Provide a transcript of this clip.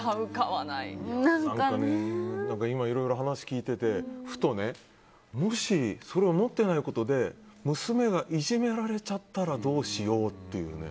今、いろいろ話聞いててふと、もし持ってないことで娘がいじめられちゃったらどうしようっていうね。